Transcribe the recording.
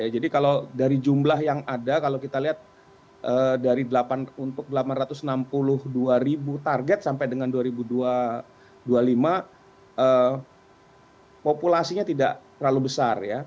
jadi kalau dari jumlah yang ada kalau kita lihat dari delapan ratus enam puluh dua target sampai dengan dua ribu dua puluh lima populasinya tidak terlalu besar